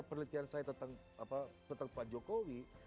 penelitian saya tentang pak jokowi